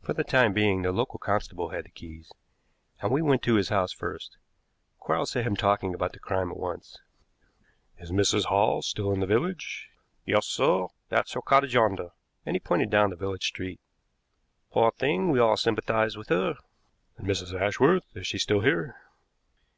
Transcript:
For the time being, the local constable had the keys, and we went to his house first. Quarles set him talking about the crime at once. "Is Mrs. Hall still in the village?" he asked. "Yes, sir. That's her cottage yonder," and he pointed down the village street. "Poor thing, we all sympathize with her." "And Mrs. Ashworth, is she still here?"